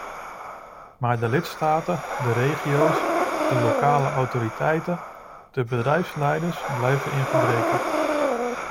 Maar de lidstaten, de regio's, de lokale autoriteiten, de bedrijfsleiders blijven in gebreke.